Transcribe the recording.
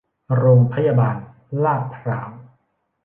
โรงพยาบาล ลาดพร้าว